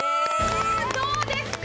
どうですか？